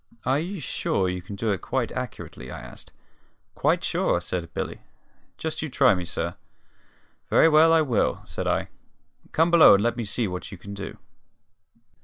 "Are you sure you can do it quite accurately?" I asked. "Quite sure!" asserted Billy. "Just you try me, sir." "Very well, I will," said I. "Come below, and let me see what you can do."